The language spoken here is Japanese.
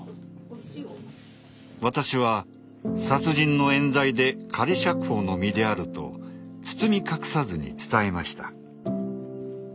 私は殺人のえん罪で仮釈放の身であると包み隠さずに伝えました。